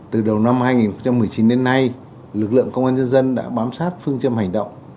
từ đầu năm hai nghìn một mươi chín đến nay lực lượng công an nhân dân đã bám sát phương châm hành động